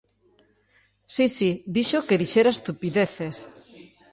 Si, si, dixo que dixera estupideces.